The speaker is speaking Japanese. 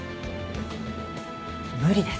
無理です。